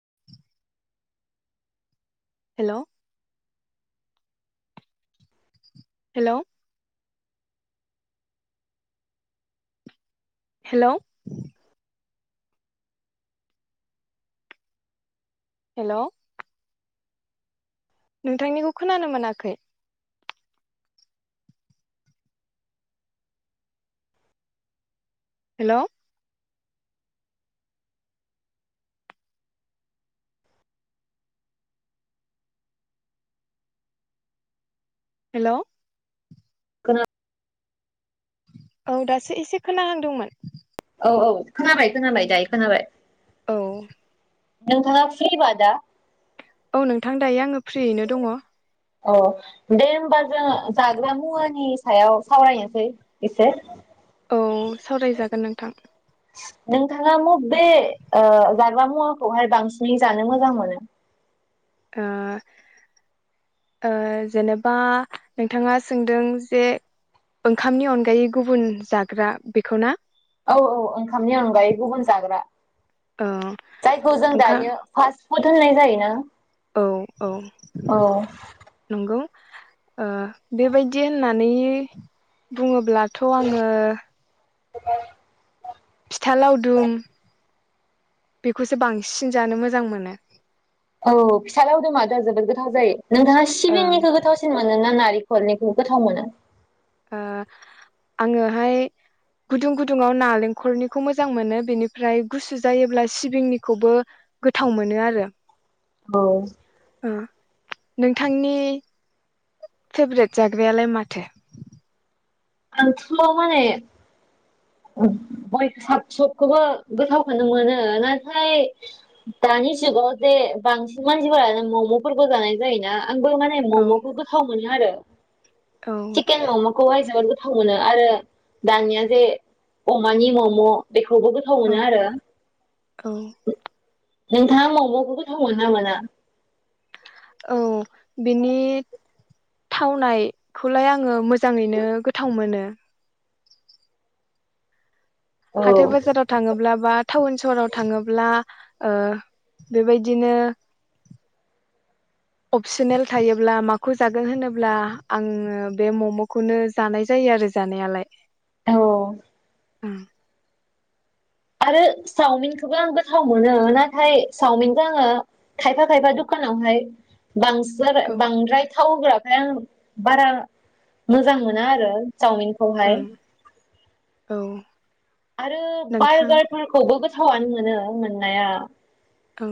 [inaudible] हेल'। Hello. Hello. Hello. नोंथांनिखौ खोनानो मोनाखै हेल'। हेल'। खोना औ दासो एसे खोनाहांदोंमोन औ औ खोनाबाय-खोनाबाय दायो खोनाबाय औ नोंथाङा फ्रि बा दा औ नोंथां दायो आङो फ्रियैनो दङ अ' दे होनबा जों जाग्रा मुवानि सायाव सावरायनोसै एसे औ सावरायजागोन नोंथां नोंथाङा म'बे ओ जाग्रा मुवाखौहाय बांसिनै जानो मोजां मोनो? ओ ओ जेनेबा नोंथाङा सोंदों जे ओंखामनि अनगायै गुबुन जाग्रा बेखौ ना? औ औ ओंखामनि अनगायै गुबुन जाग्रा ओ जायखौ जों ओंखाम दायो फार्स पुथो होननाय जायो ना औ औ नंगौ ओ बेबायदि होननानै बुङोब्ला थ' आङो [inaudible] फिथा लावदुम बेखौसो बांसिन जानो मोजां मोनो। औ फिथा लावदुमा दा जोबोद गोथाव जायो। नोंथाङा ओं सिबिंनिखौ गोथावसिन मोनो ना नारि खरनिखौ गोथाव मोनो ओ आङोहाय गुदुं गुदुङाव नालेंखलनिखौ मोजां मोनो बेनिफ्राय गुसु जायोब्ला सिबिंनिखौबो गोथाव मोनो आरो। औ। ओ नोंथांनि फेभ्रेट जाग्रायालाय माथो? [unintelligible] माने गय साब सबखौबो गोथावखौनो मोनो। नाथाय दानि जुगाव जे बांसिन मानसिफोरानो ममफोरबो जानाय जायोना। आंबो माने औ ममखौ गोथाव मोनो आरो। औ चिकेन ममखौहाय जोबोर गो गोथाव मोनो आरो दानिया जे अमानि मम बेखौबो गोथाव औ मोनो आरो। औ नोंथाङा ममखौ गोथाव मोनो ना मोना? औ बिनि थावनायखौलाय आङो मोजाङैनो गोथाव मोनो। औ हाथाय बाजाराव थाङोब्ला बा टाउन सहराव थाङोब्ला ओ बेबायदिनो अपसनेल थायोब्ला माखौ जागोन होनोब्ला आङो बे ममखौनो जानाय जायो आरो जानायालाय। औ। उम आरो सावमिनखौबो आं गोथाव मोनो। नाथाय सावमिनखौ आङो खायफा खायफा दखानावहाय बां औ [unintelligible] बांद्राय थावहोग्रा ओमफ्राय आं बारा मोजां मोना आरो चावमिनखौहाय। ओं औ। आरो नोंथां बारगारफोरखौबो गोथा गोथावानो मोनो मोननाया। औ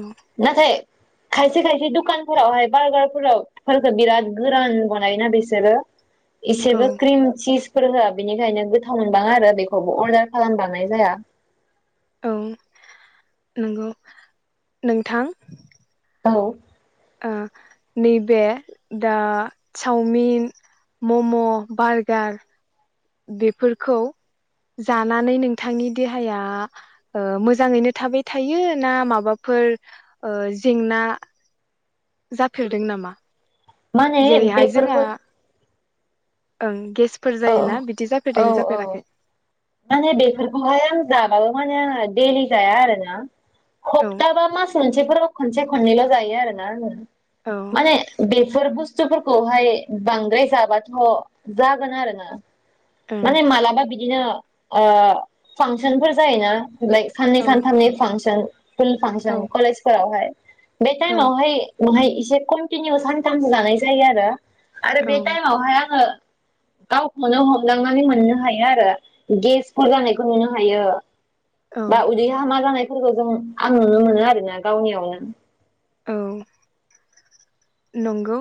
नाथाय खायसे खायसे दखानफोरावहाय बारगारफोराव फोरखो बिराद गोरान बनायोना बिसोरो औ इसेबो क्रिम चिज फोर होआ। बेनिखायनो गोथाव मोनबाङा आरो बेखौबो अर्डार खालामबांनाय जाया। औ नोंगौ नोंथां औ। ओ नैबे दा चावमिन, मम, बारगार बेफोरखौ जानानै नोंथांनि देहाया ओ मोजाङैनो थाबाय थायो ना माबाफोर ओ जेंना जाफेरदों नामा? माने जेरैहाय जोंहा बेफोरखौ ओं गेस फोर औ जायोना बिदि औ जाफेरदोंना औ जाफेराखै? माने बेफोरखौहाय आं जाबाबो माने आङो दैलि जाया आरोना औ खफथा बा मास मोनसेफोरल' खनसे खननैल' जायो आरोना आङो। औ माने बे फोर बुस्थुफोरखौहाय बांद्राय जाबाथ' जागोन आरोना ओं माने मालाबा बि दिनो ओ फांसनफोर जायोना लाइक साननै औ सानथामनि फांसन फुल औ फांसन कलेजफोरावहाय बे टाइमावहाय बेहाय इसे कन्टिनिउ सानथामसो जानाय जायो आरो आरो औ बे टाइमावहाय आङो गावखौनो हम दांनानै मोननो हायो आरो गेसफोर जानायखौ नुनो हायो। बा औ उदि हामाजानाय फोरखौ जों आं नुनो मोनो आरोना गावनियावनो। औ नंगौ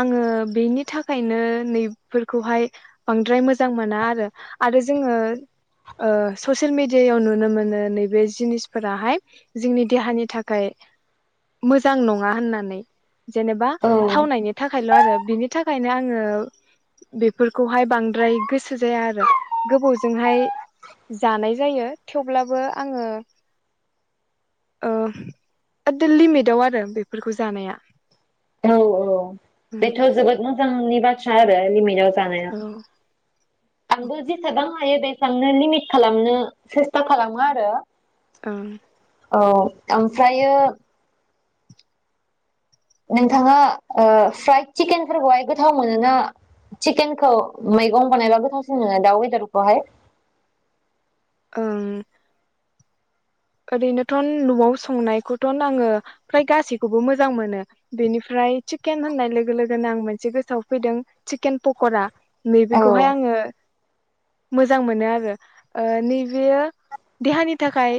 आङो बेनि थाखायनो नैफोरखौहाय बांद्राय मोजां मोना आरो आरो जोङो ससियेल मेडियायाव नुनो मोनो नैबे जिनिसफोराहाय जोंनि देहानि थाखाय मोजां नङा होननानै जेनेबा औ थावनायनि थाखायल आरो बिनि थाखाय बेनि थाखायनो आङो बेफोरखौहाय बांद्राय गोसो जाया आरो गोबावजोंहाय जानाय जायो थेवब्लाबो आङो ओ एदम लिमिद दाउ आरो बेफोरखौ जानाया औ औ बेथ जोबोद मो जांनि बाथ्रा आरो लिमिटयाव जा जानाय औ आंबो जिसेबां हायो बेखौनो लिमिट खालामनो सेस्था खालामो आरो। ओं। औ ओमफ्रायो नोंथाङा ओ फ्राइद चिकेनफोरखौहाय गोथाव मोनो ना चिकेनखौ मैगं बानायबा गोथावसिन मोनो दाउ वेदारखौहाय ओं। ओरैनोथ नआव संनायखौथ आङो फ्राय गासैखौबो मोजां मोनो बेनिफ्राय। चिकेन होननाय लोगो लोगोनो आं मोनसे गोसोआव फैदों चिकेन पकरा औ नैबेखौहाय आङो मोजां मोनो आरो ओ नैबेयो देहानि थाखाय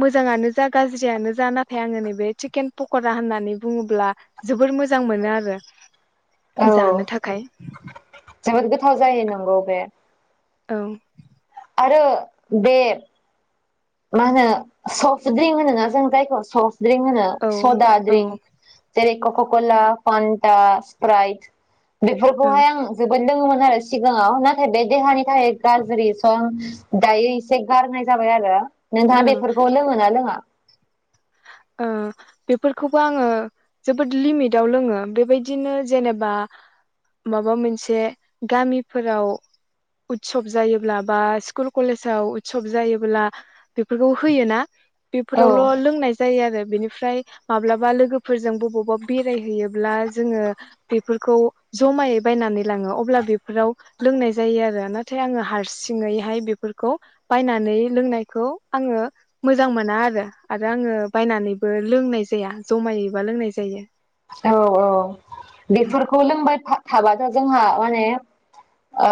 मोजाङानो जा गाज्रियानो जा नाथाय आङो नैबे चिकेन पक'रा होननानै बुङोब्ला जोबोर मोजां मोनो आरो। औ जानो थाखाय जोबोद गोथाव जायो नोंगौ बे औ। आरो बे मा होनो सफ्ट ड्रिंक होनोना जों जायखौ सफ्ट ड्रिंक न औ सदा औ ड्रिंक जेरै कका कला फान्टा सिप्राइट ओं बेफोरखौहाय आं जोबोद लोङोमोन। आरो सिगाङाव नाथाय बे देहानि थाखाय गाज्रि स दायो एसे गारनाय जाबाय आरो नोंथाङा ओं बेफोरखौ लोङोना लोङा? बेफोरखौबो आङो जोबोद लिमिटाव लोङो बेबायदिनो जेनेबा माबा मोनसे गामिफोराव उत्सब जायोब्ला बा स्कुल कलेजाव उत्सब जायोब्ला बेफोरखौ होयो ना? औ बेफोरावल' लोंनाय आरो बेनिफ्राय माब्लाबा लोगोफोरजों बबावबा बेरायहैयोब्ला जोङो बेफोरखौ जमायै बायनानै लाङो अब्ला बेफोराव लोंनाय जायो आरो नाथाय आङो हारसिङैहाय बेफोरखौ बायनानै लोंनायखौ आङो मोजां मोना आरो आङो बायनानैबो लोंनाय जाया जमायैबा लोंनाय जायो औ औ बेफोरखौ लोंबाय थाबा जोंहा माने ओ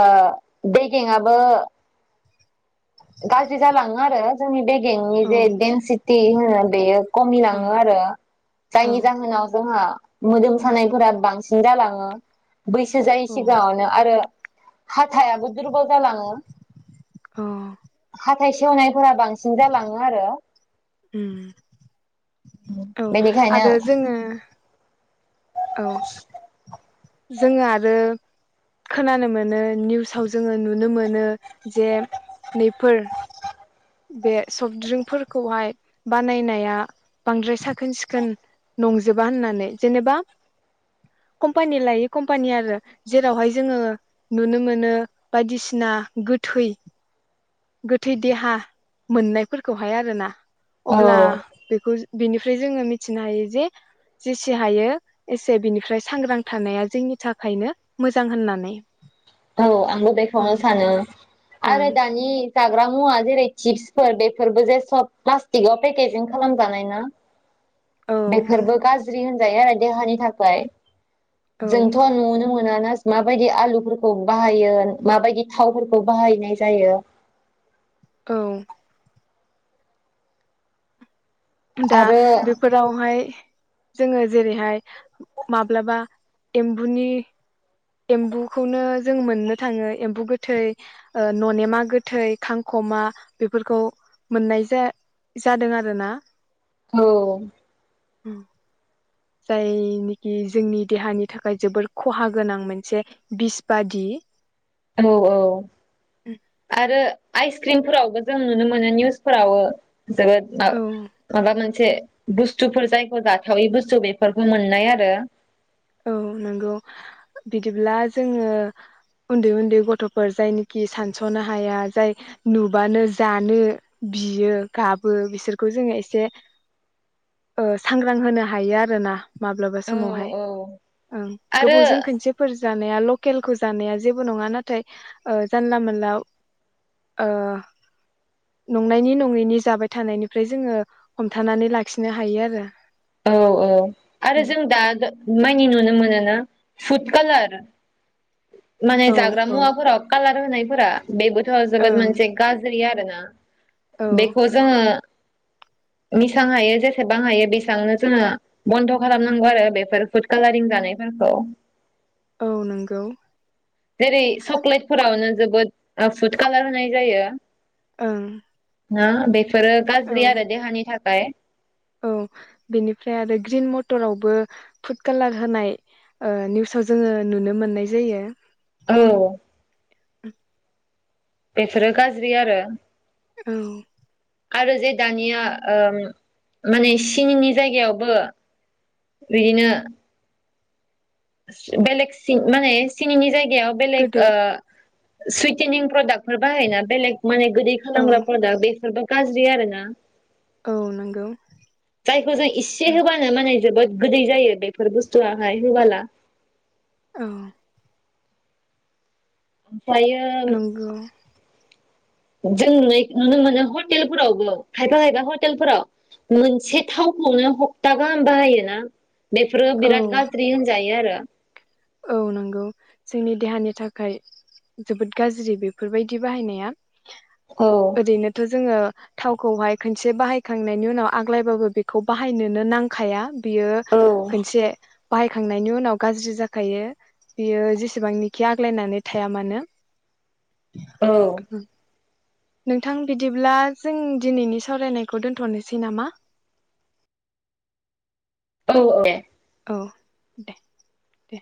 बेगेङाबो गाज्रि जालाङो आरो जोंनि बे बेंनि औ जे देनसिटि होनो बेयो खमिलाङो आरो औ जायनि जाहोनाव जोंहा मोदोम सानायफोरा बांसिन जालाङो बैसो जायै औ सिगाङावनो आरो हा थायाबो दुरबल जालाङो अ हाथाय सेवनायफोरा बांसिन जालाङो आरो ओम औ बेनिखायनो आरो जोङो औ जोङो आरो खोनानो मोनो निउसाव जोङो नुनो मोनो जे नैफोर बे सफ्टड्रिंकफोरखौहाय बानायनाया बांद्राय साखोन सिखोन नंजोबा होननानै जेनेबा कम्पानि लायै कम्पानि आरो जेरावहाय जोङो नुनो मोनो बायदिसिना गोथै गोथै देहा मोननायफोरखौहाय आरोना औ अब्ला बेखौ बिनिफ्राय जोङो मिथिनो हायो जे जेसे हायो एसे बिनिफ्राय सांग्रां थानाया जोंनि थाखायनो मोजां होननानै औ आंबो बेखौनो ओं सानो ओं आरो दानि जाग्रा मुवा जेरै चिपसफोर बेफोरबो जे सब प्ला-'स्टिकाव पेकेजिं खालामजानाय ना औ बेफोरबो गाज्रि गाज्रि होनजायो आरो देहानि थाखाय औ जोंथ' आरो मायदि आलु खौ बाहायो माबायदि थावफोरखौ बाहायनाय जायो। औ। दा आरो बेफोरावहाय जोङो जेरैहाय माब्लाबा एम्बुनि एम्बुखौनो जों मोननो थाङो एम्बु गोथै ओ ननेमा गोथै खांख'मा बेफोरखौ मोननाय जा जादों आरोना? औ। उम। जायनिखि जोंनि देहानि थाखाय जोबोर खहा गोनां मोनसे बिस बादि औ औ आरो आइस क्रिमफोरावबो जों नुनो मोनो निउसफोरावबो जोबोद मा औ माबा मोनसे से बुस्थुफोर जायखौ जाथावै बुस्थु बेफोरखौ मोननाय आरो। औ नंगौ बिदिब्ला जोङो उन्दै उन्दै गथ'फोर जायनिखि सानस'नो हाया जाय नुबानो जानो बियो गाबो बिसोरखौ जोङो एसे ओ सांग्रां होनो हायो आरोना? माब्लाबा औ समावहाय औ ओं आरो गोबावजों खनसेफोरजों जानाया लकेलखौ जानाया जेबो नङा नाथाय ओ जानला मोनला ओ नंनायनि नङैनि जाबाय थानायनिफ्राय जोङो हमथानानै लाखिनो हायो आरो। औ औ आरो उम जों दा मै न नुनो मोनो ना फुद कालार माने औ जाग्रा औ मुवाफोराव खालार होनायफोरा बेबोथ जोबोद ओं मोनसे गाज्रि आ ना औ बेखौ जोङो बेसेबां हायो जेसेबां हायो बेसेबांनो जोङो बन्द' खालामनांगौ आरो बेफोर फुद कालारिं जानायफोरखौ औ नंगौ। जेरै सकलेटफोरावनो जोबोद फुद कालार होनाय जायो। ओं। ना बे बेफोरो औ गाज्रि आरो देहानि थाखा आय औ बेनिफ्राय आरो ग्रिन मटरावबो फुड कालार होनाय ओ निउसाव जोङो नुनो मोननाय जायो। औ। [inaudible] बेफोरो गाज्रि आरो औ। आरो जे दानिया ओ माने सिनिनि जायगायावबो बिदिनो बेेलेग सि माने सिनिनि जायगा याव बेलेक गोदै सुइटेनिं प्रदाक्टफोर बाहायोना बेलेग माने गोदै औ खालामग्राफोर दा बेफोरबा गाज्रि आरोना? औ नंगौ। जायखौ जों इसे होबानो माने जोबोद गोदै जायो बेफोर बुस्थुआहाय होबोला। औ। फायो नंगौ जों नुइ नुनो मोनो हटेलफोरावबो खायफा खायफा हटेलफोराव मोनसे थावखौनो हप्ता गाहाम बाहायोना? बेफोरो औ बिराद गाज्रि होनजायो आरो। औ नंगौ जोंनि देहानि थाखाय जोबोद गाज्रि बेफोरबायदि बाहायनाया। औ ओरैनोथ' जोङो थावखौहाय खनसे बाहायखांनायनि उनाव आग्लायबाबो बेखौ बाहायनोनो नांखाया। बियो औ खोनसे बाहायखांनायनि उनाव गाज्रि जाख खायो बियो जेसेबांनिखि आग्लायनानै थाया मानो। औ नोंथां बिदिब्ला जों दिनैनि सावरायनायखौ दोन्थ'नोसै नामा? औ औे औ दे दे।